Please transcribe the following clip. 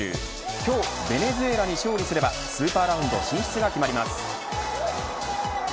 今日ベネズエラに勝利すればスーパーラウンド進出が決まります。